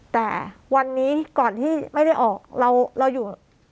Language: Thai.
แต่วันนี้ก่อนที่ไม่ได้ออกเราอยู่